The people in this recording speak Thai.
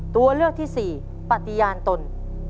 ตัวเลือกที่สี่ปฏิญาณตน